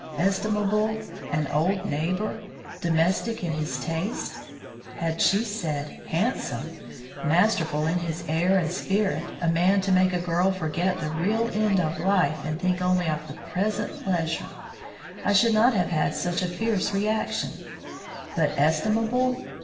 "Estimable! an old neighbor! domestic in his tastes!" Had she said: "Handsome! masterful in his air and spirit! a man to make a girl forget the real end of life and think only of present pleasure!" I should not have had such a fierce reaction. But estimable!